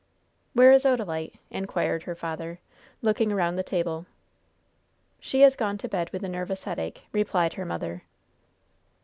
"Where is Odalite?" inquired her father, looking around the table. "She has gone to bed with a nervous headache," replied her mother.